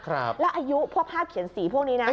แล้วอายุพวกภาพเขียนสีพวกนี้นะ